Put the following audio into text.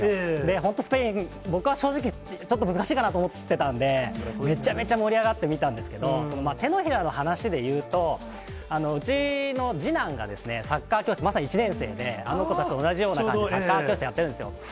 本当、スペイン、僕は正直、ちょっと難しいかな？と思ってたんで、めちゃめちゃ盛り上がって見たんですけど、その手のひらの話でいうと、うちの次男が、サッカー教室、まさに１年生で、あの子たちと同じようにサッカー教室やってるんですよ。